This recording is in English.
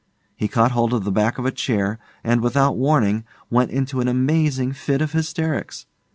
He caught hold of the back of a chair, and, without warning, went into an amazing fit of hysterics.